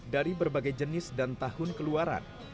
dari berbagai jenis dan tahun keluaran